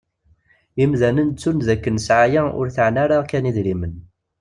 Imdanen ttun d akken sɛaya ur teɛni ara kan idrimen.